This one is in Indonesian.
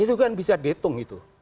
itu kan bisa dihitung itu